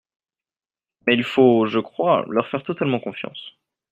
Mais il faut, je crois, leur faire totalement confiance.